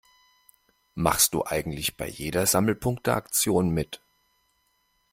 Machst du eigentlich bei jeder Sammelpunkte-Aktion mit?